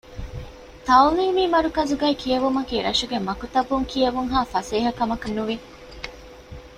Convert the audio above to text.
ތަޢުލީމީ މަރުކަޒުގައި ކިޔެވުމަކީ ރަށުގެ މަކުތަބުން ކިޔެވުންހާ ފަސޭހަ ކަމަކަށް ނުވި